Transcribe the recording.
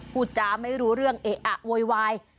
จ้าไม่รู้เรื่องเอะอะโวยวาย